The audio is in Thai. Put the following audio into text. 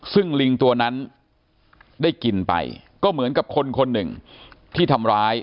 ซึ่งลิงตัวนั้นได้กินไปก็เหมือนกับคนคนหนึ่งที่ทำร้าย